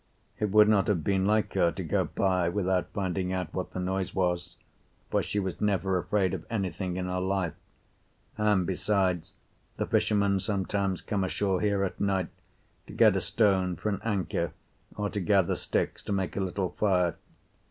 It would not have been like her to go by without finding out what the noise was, for she was never afraid of anything in her life, and, besides, the fishermen sometimes come ashore here at night to get a stone for an anchor or to gather sticks to make a little fire.